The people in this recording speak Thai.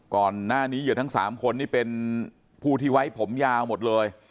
ก่อนหน้านี้เหยื่อทั้ง๓คนนี่เป็นผู้ที่ไว้ผมยาวหมดเลย